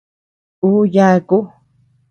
Ú yaku.